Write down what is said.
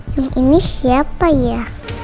yang ini siapa ya